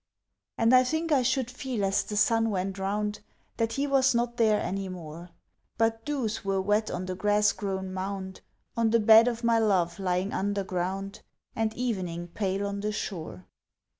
And I think I should feel as the sun went round That he was not there any more, But dews were wet on the grass grown mound On the bed of my love lying underground, And evening pale on the shore.